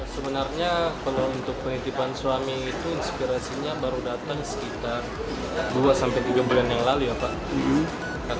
sebenarnya kalau untuk penitipan suami itu inspirasinya baru datang sekitar dua sampai tiga bulan yang lalu ya pak